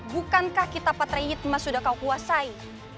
bukankah kita patriidmas sudah kau kuasai